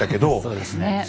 そうですね。